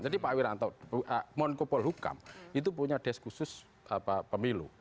jadi pak wiranto mohon kupul hukum itu punya desk khusus pemilu